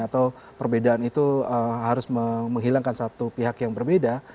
atau perbedaan itu harus menghilangkan satu pihak yang berbeda